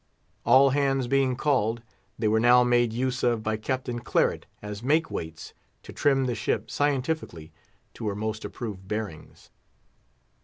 All hands being called, they were now made use of by Captain Claret as make weights, to trim the ship, scientifically, to her most approved bearings.